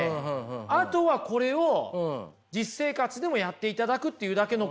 あとはこれを実生活でもやっていただくっていうだけのことですから。